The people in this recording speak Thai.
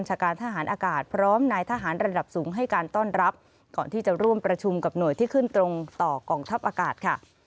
จะร่วมประชุมกับหน่วยที่ขึ้นตรงต่อกองทัพอากาศค่ะ